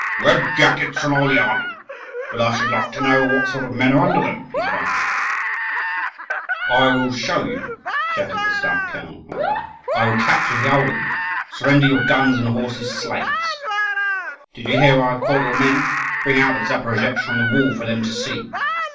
"Red jackets on all the army, but I should like to know what sort of men are under them," he cried. "I will show you," shouted the stout colonel from above. "I will capture the whole of you. Surrender your guns and horses, slaves. Did you see how I caught your men? Bring out a Zaporozhetz on the wall for them to see."